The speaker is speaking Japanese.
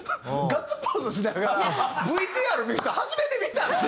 ガッツポーズしながらＶＴＲを見る人初めて見たんで。